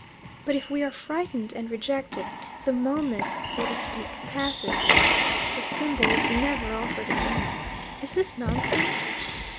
But if we are frightened and reject it, the moment, so to speak, passes; the symbol is never offered again. Is this nonsense?